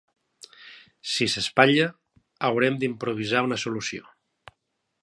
Si s'espatlla, haurem d'improvisar una solució.